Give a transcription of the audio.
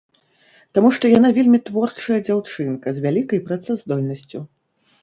Таму што яна вельмі творчая дзяўчынка, з вялікай працаздольнасцю.